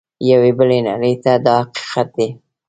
یوې بلې نړۍ ته دا حقیقت دی.